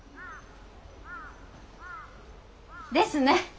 ですね。